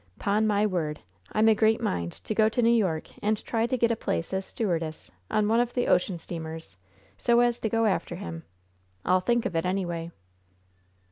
'Pon my word, I'm a great mind to go to New York and try to get a place as stewardess on one of the ocean steamers, so as to go after him! I'll think of it, anyway."